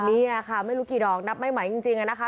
นี่ค่ะไม่รู้กี่ดอกนับไม่ไหวจริงนะคะ